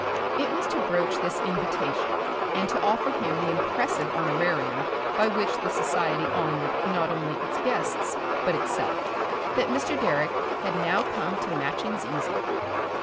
It was to broach this invitation and to offer him the impressive honorarium by which the society honoured not only its guests but itself, that Mr. Direck had now come to Matching's Easy.